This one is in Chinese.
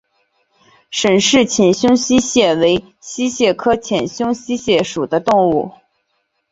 沈氏浅胸溪蟹为溪蟹科浅胸溪蟹属的动物。